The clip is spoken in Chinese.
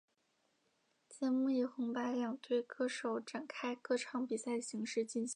节目以红白两队歌手展开歌唱比赛的形式进行。